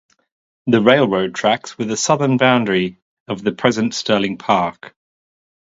The railroad tracks were the southern boundary of the present Sterling Park.